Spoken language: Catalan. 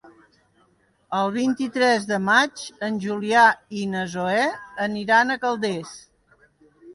El vint-i-tres de maig en Julià i na Zoè aniran a Calders.